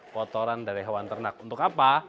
kotoran dari hewan ternak untuk apa